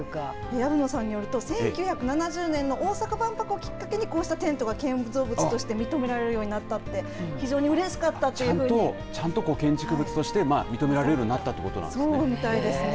薮野さんによると１９７０年の大阪万博をきっかけにこうしたテントが建造物として認められるようになってちゃんと建築物として認められるようになったということなんですね。